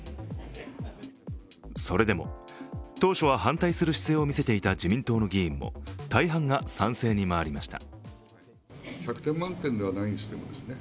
それでも当初は、反対する姿勢を見せていた自民党の議員も、大半が賛成に回りました。